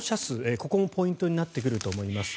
ここもポイントになってくると思います。